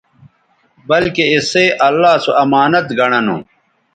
بلکہ اِسئ اللہ سو امانت گنڑہ نو